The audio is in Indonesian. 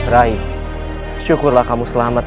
rai syukurlah kamu selamat